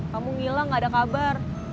kamu ngilang gak ada kabar